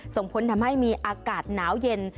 ส่งผลทำให้มีอากาศหนาวเย็น